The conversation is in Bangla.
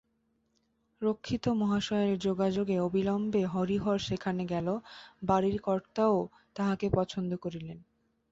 রক্ষিত মহাশয়ের যোগাযোগে অবিলম্বে হরিহর সেখানে গেল-বাড়ির কর্তাও তাহাকে পছন্দ করিলেন।